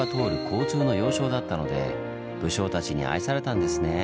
交通の要衝だったので武将たちに愛されたんですねぇ。